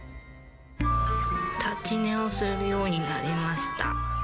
立ち寝をするようになりました。